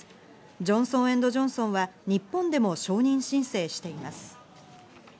ジョンソン・エンド・ジョンソンは日本でも承認申請しています。